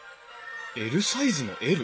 ＬサイズのＬ？